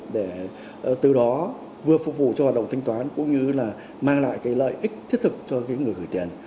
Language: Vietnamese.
để từ đó vừa phục vụ cho hoạt động thanh toán cũng như là mang lại cái lợi ích thiết thực cho người gửi tiền